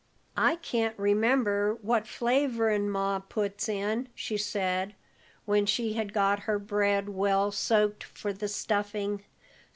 "I can't remember what flavorin' Ma puts in," she said, when she had got her bread well soaked for the stuffing.